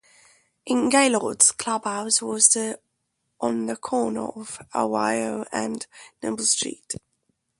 The Gaylord's clubhouse was on the corner of Ohio and Noble Street.